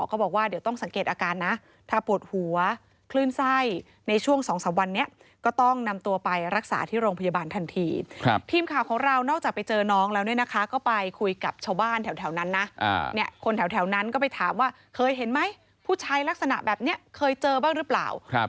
ก็ตอนแรกชี้อยู่ว่าเห็นหลังไวเนอะหลอบพอวิ่งไปแป๊บเดียวก็ไม่ได้ไม่เจอแล้วค่ะ